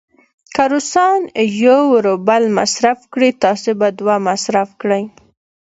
که روسان یو روبل مصرف کړي، تاسې به دوه مصرف کړئ.